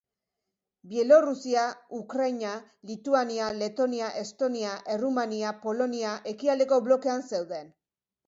Bielorrusia, Ukraina, Lituania, Letonia, Estonia, Errumania, Polonia ekialdeko blokean zeuden.